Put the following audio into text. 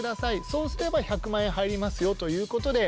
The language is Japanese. そうすれば１００万円入りますよ」ということで。